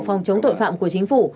phòng chống tội phạm của chính phủ